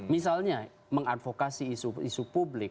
misalnya mengadvokasi isu isu publik